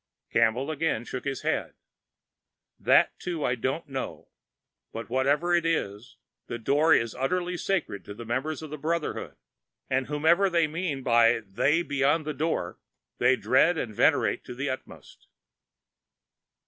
Campbell again shook his head. "That too I don't know, but whatever it is, the Door is utterly sacred to the members of the Brotherhood, and whomever they mean by They Beyond the Door, they dread and venerate to the utmost."